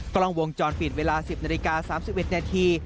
กล้องวงจรปิดเวลา๑๐นาฬิกา๓๑นาที